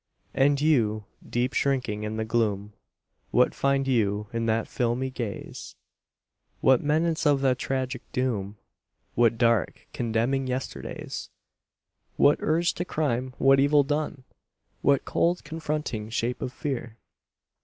And You, deep shrinking in the gloom, What find you in that filmy gaze? What menace of a tragic doom? What dark, condemning yesterdays? What urge to crime, what evil done? What cold, confronting shape of fear?